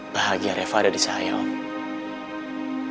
bahagia reva ada di saya om